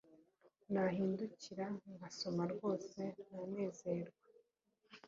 nahindukira ngasoma, rwose nanezerwa”